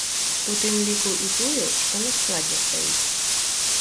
У тым ліку і тую, што на складзе стаіць.